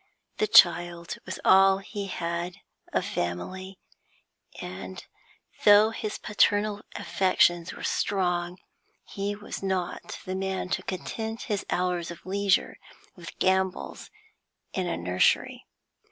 The child was all he had of family, and, though his paternal affections were strong, he was not the man to content his hours of leisure with gambols in a nursery.